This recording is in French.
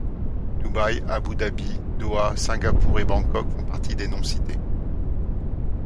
Dubaï, Abu Dhabi, Doha, Singapour et Bangkok font partie de noms cités.